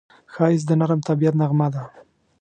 ښایست د نرم طبیعت نغمه ده